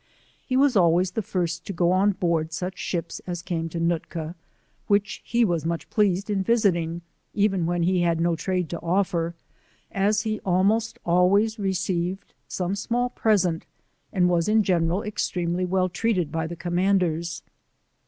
He was always the first to go on board such ships as came to Nootka, which he was much pleased in visiting, even when he had no trade to offer, as he always received some small present, and was in general extremely well treated by the commanders.